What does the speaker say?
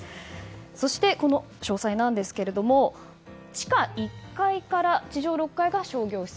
そして詳細なんですが地下１階から地上６階が商業施設。